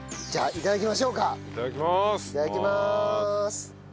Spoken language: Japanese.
いただきます。